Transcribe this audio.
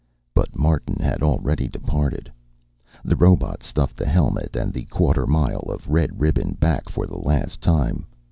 But Martin had already departed. The robot stuffed the helmet and the quarter mile of red ribbon back for the last time.